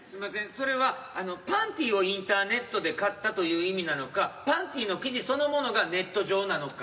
それはパンティーをインターネットで買ったという意味なのかパンティーの生地そのものがネット状なのか。